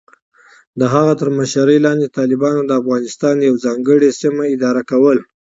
د هغه تر مشرۍ لاندې، طالبانو د افغانستان یوه ځانګړې سیمه اداره کوله.